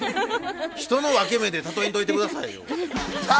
人の分け目で例えんといて下さいよ。